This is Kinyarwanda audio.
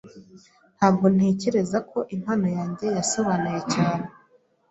Ntabwo ntekereza ko impano yanjye yasobanuye cyane .